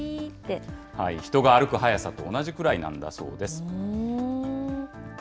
人が歩く速さと同じくらいなんだそうです。